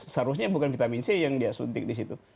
seharusnya bukan vitamin c yang dia suntik di situ